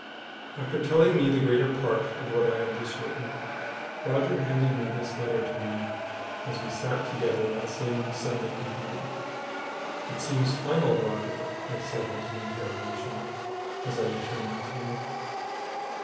After telling me the greater part of what I have just written, Roger handed me this letter to read, as we sat together that same Sunday evening. "It seems final, Roger?" I said with an interrogation, as I returned it to him.